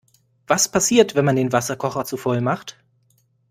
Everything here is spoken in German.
Was passiert, wenn man den Wasserkocher zu voll macht?